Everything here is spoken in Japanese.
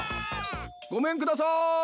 ごめんください。